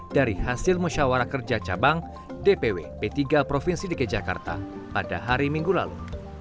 dari hasil musyawarah kerja cabang dpw p tiga provinsi dki jakarta pada hari minggu lalu